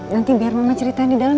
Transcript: nanti biar mama ceritanya di dalam